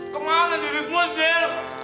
kemana dirimu sil